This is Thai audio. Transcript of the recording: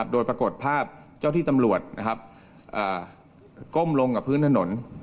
โดยปรากฏภาพเจ้าที่ตำรวจก้มลงกับพื้นถนน